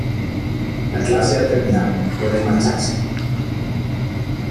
la clase ha terminado, pueden marcharse.